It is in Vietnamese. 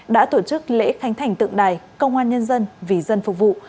đã tổ chức lễ khánh thành tượng đài công an nhân dân vì dân phục vụ